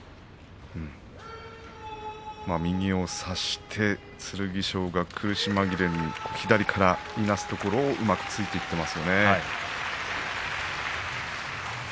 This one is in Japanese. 右を差して、剣翔が苦し紛れに左からいなすところにうまくついていっています。